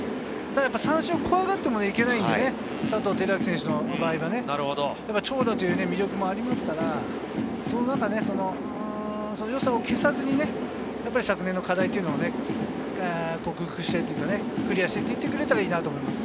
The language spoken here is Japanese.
最初怖がってもいけないので、佐藤輝明選手の場合は、長打という魅力もありますから、その良さを消さずに、昨年の課題というのを克服していってクリアしていってくれたらいいなと思います。